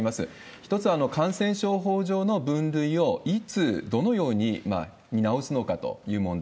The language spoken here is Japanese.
１つは、感染症法上の分類をいつ、どのように見直すのかという問題。